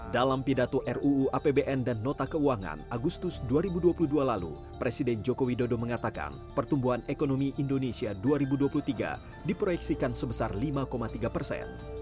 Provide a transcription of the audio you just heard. dalam pidato ruu apbn dan nota keuangan agustus dua ribu dua puluh dua lalu presiden joko widodo mengatakan pertumbuhan ekonomi indonesia dua ribu dua puluh tiga diproyeksikan sebesar lima tiga persen